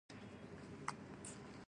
ه اردو کې د جلب او جذب کچه